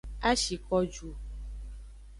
A shi ko ju.